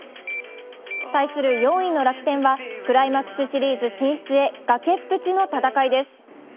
対する４位の楽天はクライマックスシリーズ進出へ崖っぷちの戦いです。